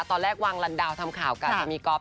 ตอนแรกวางลันดาวทำข่าวกะจะมีก๊อฟ